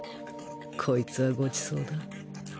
こいつはごちそうだ。